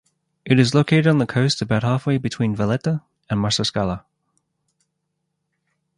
It is located on the coast, about halfway between Valletta and Marsaskala.